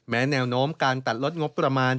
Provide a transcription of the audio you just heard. แนวโน้มการตัดลดงบประมาณ